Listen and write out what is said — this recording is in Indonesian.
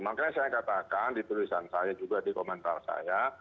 makanya saya katakan di tulisan saya juga di komentar saya